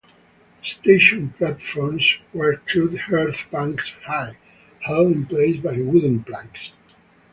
The station platforms were crude earth banks high, held in place by wooden planks.